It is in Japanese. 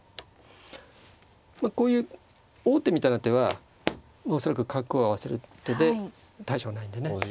こういう王手みたいな手は恐らく角を合わせる手で大したことないんでね。